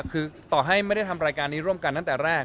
คือต่อให้ไม่ได้ทำรายการนี้ร่วมกันตั้งแต่แรก